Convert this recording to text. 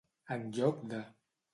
En lloc de.